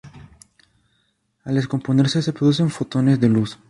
Al descomponerse se producen fotones de luz.